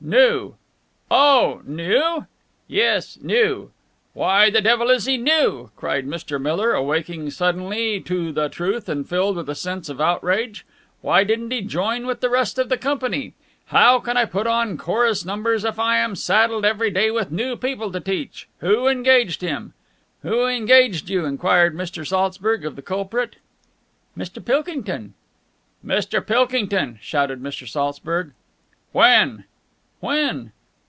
"New!" "Oh, new?" "Yes, new!" "Why the devil is he new?" cried Mr. Miller, awaking suddenly to the truth and filled with a sense of outrage. "Why didn't he join with the rest of the company? How can I put on chorus numbers if I am saddled every day with new people to teach? Who engaged him?" "Who engaged you?" enquired Mr. Saltzburg of the culprit. "Mr. Pilkington." "Mr. Pilkington," shouted Mr. Saltzburg. "When?" "When?"